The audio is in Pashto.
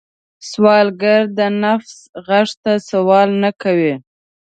سوالګر د نفس غږ ته سوال نه کوي